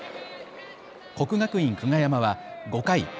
国学院久我山は５回。